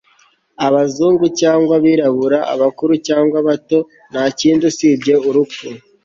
abazungu cyangwa abirabura, abakuru cyangwa abato, nta kindi usibye urupfu